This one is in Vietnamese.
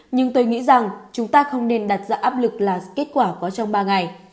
nhưng tôi nghĩ rằng chúng ta không nên đặt ra áp lực là kết quả có trong ba ngày